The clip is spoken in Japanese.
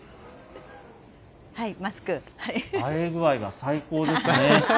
あえ具合が最高でしたね。